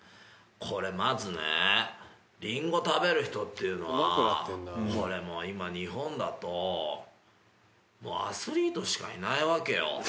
これまずねりんご食べる人っていうのはこれもう今日本だともうアスリートしかいないわけよ。